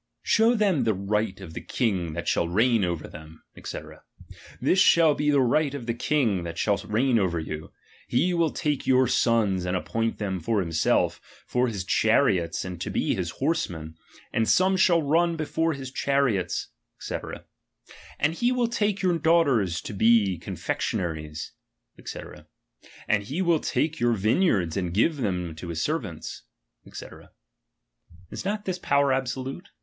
Show them the right of the king that shall reign over them, 8fc. This shall be the right of the king that shall reign over you ; he will take your sons, and appoint them for himself, for his chariots, and to be his horsemen, and some shall run before his chariots, ^ c. And he will take your daughters to be confectionaries, ^c. And he wilt take your vineyards, and give them to his servants, ^c. Is not this power absolute